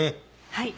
はい。